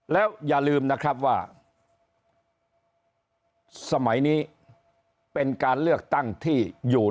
แล้วอย่าลืมนะครับว่าสมัยนี้เป็นการเลือกตั้งที่อยู่